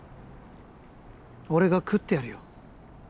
俺が喰ってやるよ